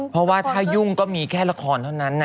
เพราะว่าถ้ายุ่งก็มีแค่ละครเท่านั้น